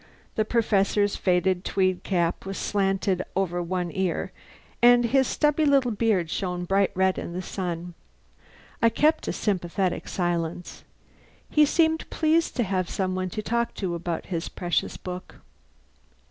The Professor's faded tweed cap was slanted over one ear, and his stubby little beard shone bright red in the sun. I kept a sympathetic silence. He seemed pleased to have some one to talk to about his precious book.